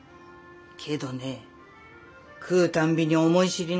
けどね食うたんびに思い知りな。